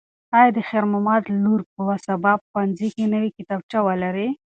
ایا د خیر محمد لور به سبا په ښوونځي کې نوې کتابچه ولري؟